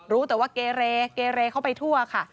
รู้แต่ว่าเกเรเกเรเข้าไปทั่วค่ะ